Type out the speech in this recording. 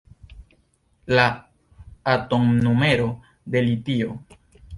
La atomnumero de litio.